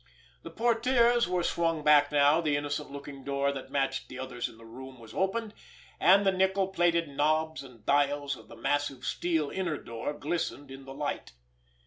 The portières were swung back now, the innocent looking door that matched the others in the room was opened, and the nickel plated knobs and dials of the massive steel inner door glistened in the light.